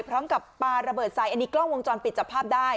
พร้อมกับปลาระเบิดใส่อันนี้กล้องวงจรปิดจับภาพได้